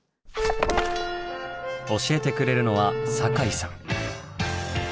教えてくれるのは酒井さん。